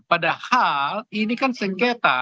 padahal ini kan sengketa